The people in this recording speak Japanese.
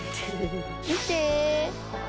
見て。